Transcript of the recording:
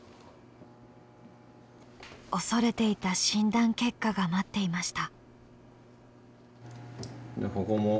恐れていた診断結果が待っていました。